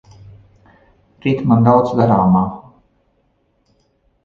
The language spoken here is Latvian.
Rīt man daudz darāmā.